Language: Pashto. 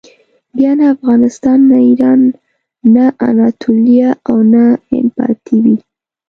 بیا نه افغانستان، نه ایران، نه اناتولیه او نه هند پاتې وي.